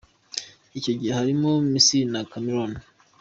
Icyo gihe harimo Misiri na Cameroun.